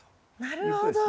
なるほど。